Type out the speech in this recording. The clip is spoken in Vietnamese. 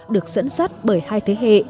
được dẫn dắt bởi hai thế hệ